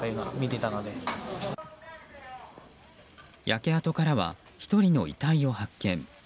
焼け跡からは１人の遺体を発見。